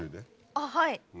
あっはい。